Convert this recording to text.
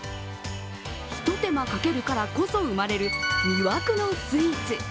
一手間かけるからこそ生まれる魅惑のスイーツ。